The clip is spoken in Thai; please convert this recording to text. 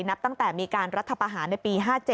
นับตั้งแต่มีการรัฐประหารในปี๕๗